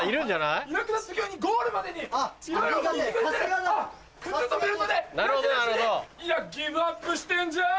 いやギブアップしてんじゃん！